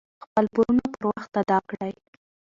خپل پورونه پر وخت ادا کړئ.